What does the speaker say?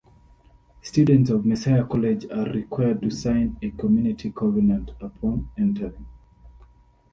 Students at Messiah College are required to sign a Community Covenant upon entering.